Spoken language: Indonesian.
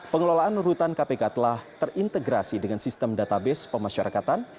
pengelolaan rutan kpk telah terintegrasi dengan sistem database pemasyarakatan